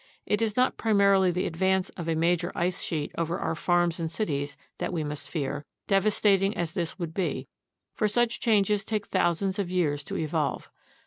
It is not primarily the advance of a major ice sheet over our farms and cities that we must fear, devastating as this would be, for such changes take thousands of years to evolve.